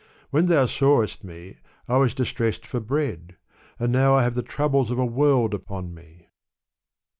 When thou sawest me, I was distressed for bread, and now I haire the troubles of a world upon me."